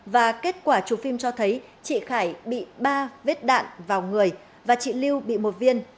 và kết quả chụp phim cho thấy chị khải bị ba vết đạn vào người và chị lưu bị một viên